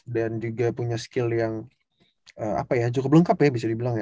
dan juga punya skill yang cukup lengkap ya bisa dibilang ya